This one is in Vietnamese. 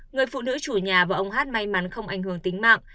người phụ nữ chủ nhà và ông hát may mắn không ảnh hưởng tính mạng